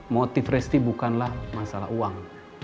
motif resti bukanlah masalah uang